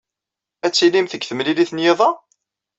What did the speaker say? Ad tilimt deg temlilit n yiḍ-a?